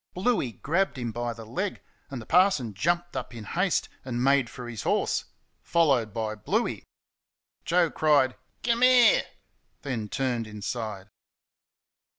Bluey grabbed him by the leg, and the parson jumped up in haste and made for his horse followed by Bluey. Joe cried, "KUM 'ere!" then turned inside.